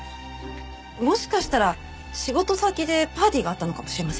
もしかしたら仕事先でパーティーがあったのかもしれませんね。